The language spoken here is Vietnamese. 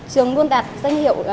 trường luôn đạt danh hiệu